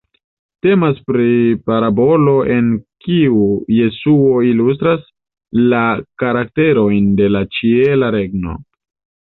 Temas pri parabolo en kiu Jesuo ilustras la karakterojn de la Ĉiela Regno.